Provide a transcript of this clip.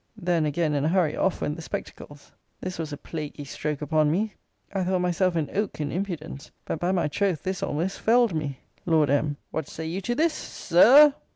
Then again, in a hurry, off went the spectacles. This was a plaguy stroke upon me. I thought myself an oak in impudence; but, by my troth, this almost felled me. Lord M. What say you to this, SIR R!